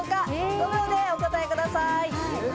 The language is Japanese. ５秒でお答えください。